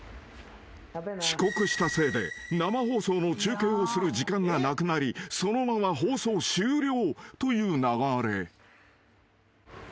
［遅刻したせいで生放送の中継をする時間がなくなりそのまま放送終了という流れ］